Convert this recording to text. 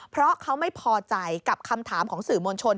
เพราะเขาไม่พอใจกับคำถามของสื่อมวลชน